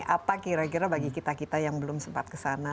apa kira kira bagi kita kita yang belum sempat kesana